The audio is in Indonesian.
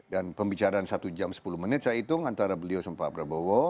dan pembicaraan satu jam sepuluh menit saya hitung antara beliau sama pak prabowo